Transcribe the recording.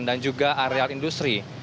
dan juga areal industri